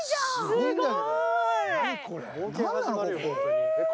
すごいね。